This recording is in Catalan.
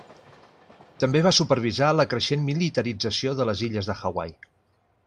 També va supervisar la creixent militarització de les illes de Hawaii.